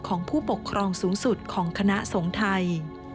ของผู้ปกครองสูงสุดของคณะสงฆ์ไทย